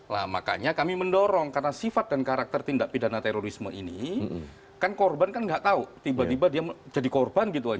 nah makanya kami mendorong karena sifat dan karakter tindak pidana terorisme ini kan korban kan nggak tahu tiba tiba dia jadi korban gitu aja